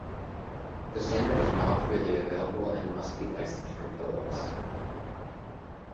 The standard is not freely available and must be licensed from Philips.